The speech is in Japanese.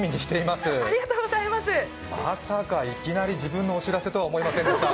まさか、いきなり自分のお知らせとは思いませんでした。